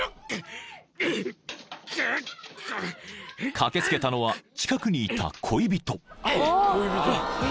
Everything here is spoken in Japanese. ［駆け付けたのは近くにいた恋人］